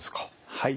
はい。